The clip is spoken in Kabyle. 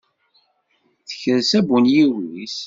Tekres abunyiw-is.